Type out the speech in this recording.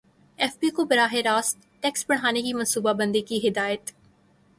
F B کو براہ راست ٹیکس بڑھانے کی منصوبہ بندی کی ہدایت